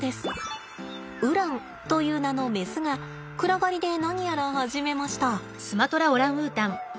ウランという名のメスが暗がりで何やら始めました。